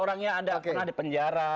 orangnya ada pernah di penjara